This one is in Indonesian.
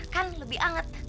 kan lebih anget